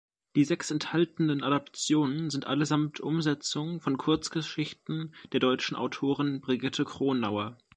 Die sechs enthaltenen Adaptionen sind allesamt Umsetzungen von Kurzgeschichten der deutschen Autorin Brigitte Kronauer.